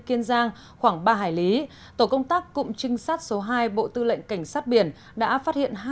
kiên giang khoảng ba hải lý tổ công tác cụm trinh sát số hai bộ tư lệnh cảnh sát biển đã phát hiện